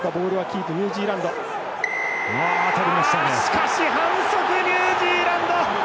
しかし、反則ニュージーランド！